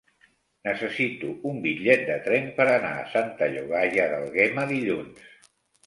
Necessito un bitllet de tren per anar a Santa Llogaia d'Àlguema dilluns.